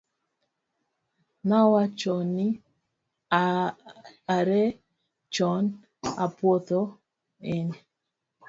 nawachoni are chon, apuodho in